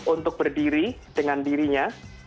untuk berdiri dengan dirinya